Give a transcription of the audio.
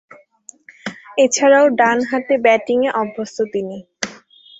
এছাড়াও ডানহাতে ব্যাটিংয়ে অভ্যস্ত তিনি।